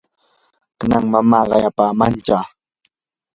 kanan mamaa qayapamashqa